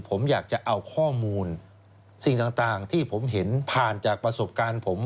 ผมอยากจะเอาข้อมูลสิ่งต่างที่ผมเห็นผ่านจากประสบการณ์ผม